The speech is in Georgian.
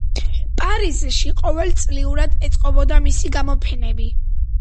პარიზში ყოველწლიურად ეწყობოდა მისი გამოფენები.